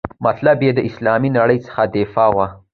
مطلب یې د اسلامي نړۍ څخه دفاع وه.